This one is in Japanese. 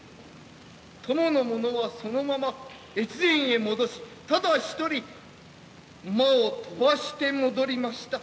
供の者はそのまま越前へ戻しただ一人馬を飛ばして戻りました。